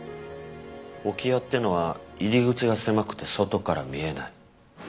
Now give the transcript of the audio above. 置屋ってのは入り口が狭くて外から見えない。